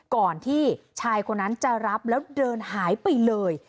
ก่อนที่ชายคนนั้นจะรับแล้วเดินหายไปเลย